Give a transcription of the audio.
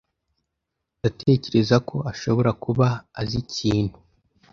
Ndatekereza ko ashobora kuba azi ikintu.